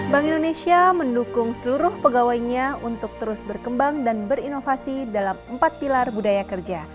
bank indonesia mendukung seluruh pegawainya untuk terus berkembang dan berinovasi dalam empat pilar budaya kerja